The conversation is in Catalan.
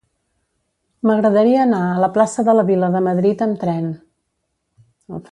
M'agradaria anar a la plaça de la Vila de Madrid amb tren.